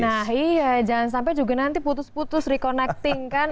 nah iya jangan sampai juga nanti putus putus reconnecting kan